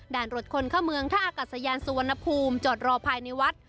รถคนเข้าเมืองท่าอากาศยานสุวรรณภูมิจอดรอภายในวัด